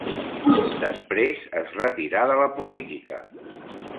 Després es retirà de la política.